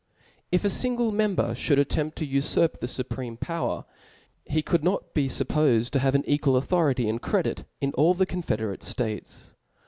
If a fingle member fliould attempt to ufurp the fupreme power, he could not be fuppofed to have an equal authority and Credit in all cItc confederate ftates.